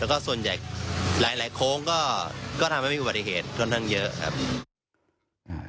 ก็ส่วนใหญ่หลายโค้งก็ทำให้ไม่มีวัตเถตถนนทั้งเยอะครับ